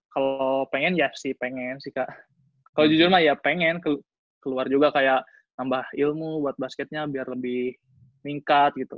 kalau pengen ya sih pengen sih kalau jujur mah ya pengen keluar juga kayak nambah ilmu buat basketnya biar lebih ningkat gitu